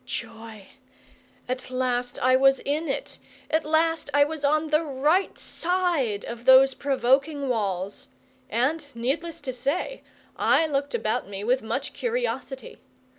Joy! At last I was in it, at last I was on the right side of those provoking walls; and, needless to say, I looked about me with much curiosity.